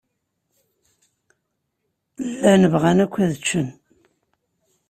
Llan bɣan akk ad ččen.